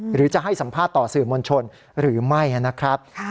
หรือจะให้สัมภาษณ์ต่อสื่อมวลชนหรือไม่นะครับ